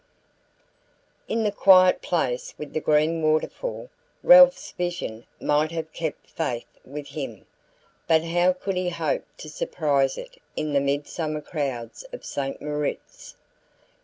XII In the quiet place with the green water fall Ralph's vision might have kept faith with him; but how could he hope to surprise it in the midsummer crowds of St. Moritz?